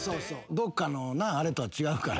どっかのあれとは違うから。